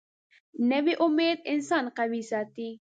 نوې امید انسان قوي ساتي